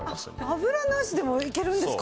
油なしでもいけるんですかね。